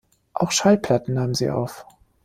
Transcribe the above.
Auch Schallplatten nahm sie auf.